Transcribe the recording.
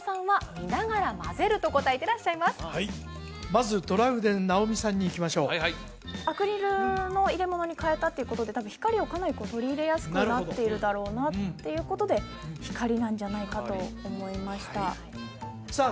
まずトラウデン直美さんにいきましょうアクリルの入れ物に変えたっていうことで光をかなり取り入れやすくなっているだろうなっていうことで光なんじゃないかと思いましたさあ